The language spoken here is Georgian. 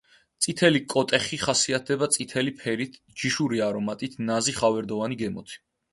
წითელი „კოტეხი“ ხასიათდება წითელი ფერით, ჯიშური არომატით, ნაზი, ხავერდოვანი გემოთი.